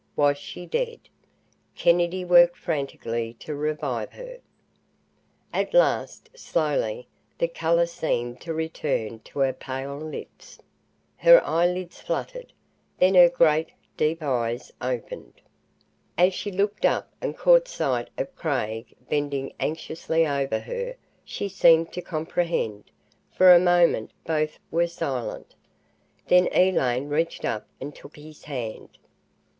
Was she dead? Kennedy worked frantically to revive her. At last, slowly, the color seemed to return to her pale lips. Her eyelids fluttered. Then her great, deep eyes opened. As she looked up and caught sight of Craig bending anxiously over her, she seemed to comprehend. For a moment both were silent. Then Elaine reached up and took his hand.